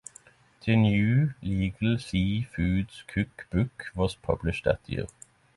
The New Legal Sea Foods Cookbook was published that year.